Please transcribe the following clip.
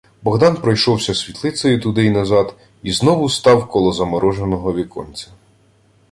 Богдан пройшовся світлицею туди й назад і знову став коло замороженого віконця.